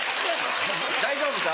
大丈夫か？